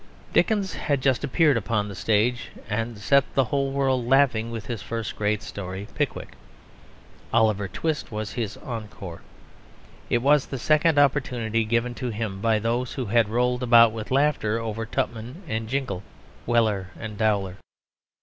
Dickens had just appeared upon the stage and set the whole world laughing with his first great story Pickwick. Oliver Twist was his encore. It was the second opportunity given to him by those who had rolled about with laughter over Tupman and Jingle, Weller and Dowler.